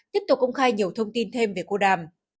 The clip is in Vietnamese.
tiếp tục công khai nhiều thông tin thêm về cô đàm